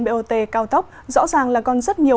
bot cao tốc rõ ràng là còn rất nhiều